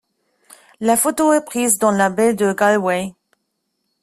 La photo est prise dans la baie de Galway.